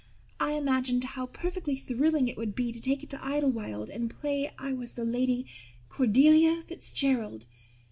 I imagined how perfectly thrilling it would be to take it to Idlewild and play I was the Lady Cordelia Fitzgerald.